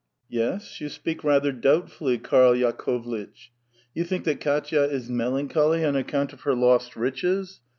*'Yes? you speak rather doubtfully, Karl Yakovlitch. You think that Kdtva is melancholy on account of her lost riches